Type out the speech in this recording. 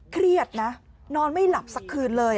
เครียดนะนอนไม่หลับสักคืนเลย